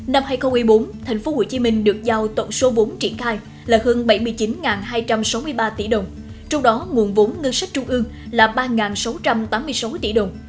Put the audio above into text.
năm hai nghìn một mươi bốn tp hcm được giao tổng số vốn triển khai là hơn bảy mươi chín hai trăm sáu mươi ba tỷ đồng trong đó nguồn vốn ngân sách trung ương là ba sáu trăm tám mươi sáu tỷ đồng